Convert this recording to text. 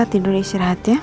tidur istirahat ya